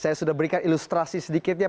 saya sudah berikan ilustrasi sedikitnya